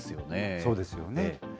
そうですよね。